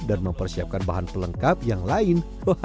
dan mempersiapkan bahan pelengkap yang lain